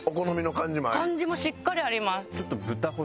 感じもしっかりあります。